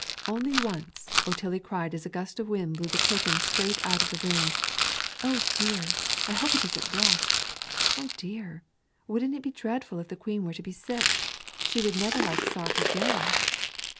Only once Otillie cried as a gust of wind blew the curtains straight out into the room, "O dear! I hope it isn't rough. O dear! wouldn't it be dreadful if the Queen were to be sick? She would never like Sark again!"